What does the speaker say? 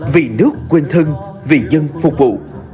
vì nước quên thân vì dân phục vụ